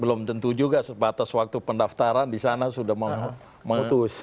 belum tentu juga sebatas waktu pendaftaran di sana sudah mengutus